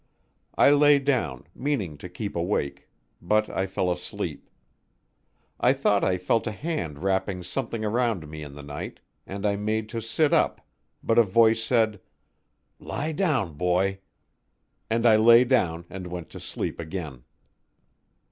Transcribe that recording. I lay down, meaning to keep awake. But I fell asleep. I thought I felt a hand wrapping something around me in the night, and I made to sit up, but a voice said, "Lie down, boy," and I lay down and went to asleep again.